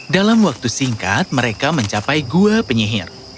dalam waktu singkat mereka mencapai gua penyihir